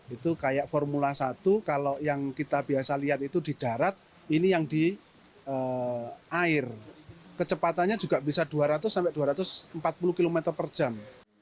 itu kayak formula satu kalau yang kita biasa lihat itu di darat ini yang di air kecepatannya juga bisa dua ratus sampai dua ratus empat puluh km per jam